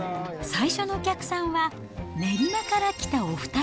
最初のお客さんは、練馬から来たお２人。